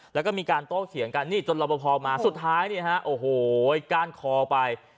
แล้วก็มีการโต้เถียงกันนี่จนรอบพอมาสุดท้ายเนี่ยฮะโอ้โหก้านคอไป